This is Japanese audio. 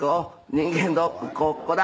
「人間ドックここだ」